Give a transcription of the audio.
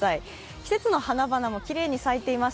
季節の花々もきれいに咲いています。